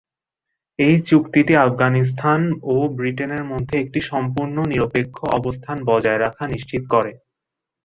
এই চুক্তিটি আফগানিস্তান ও ব্রিটেনের মধ্যে একটি সম্পূর্ণ নিরপেক্ষ অবস্থান বজায় রাখা নিশ্চিত করে।